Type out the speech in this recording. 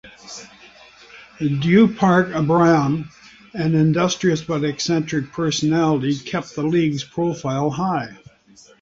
Du Parc Braham, an industrious but eccentric personality, kept the league's profile high.